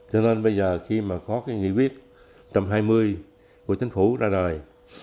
cho nên bây giờ khi mà có cái nghị quyết một trăm hai mươi của chính phủ ra đời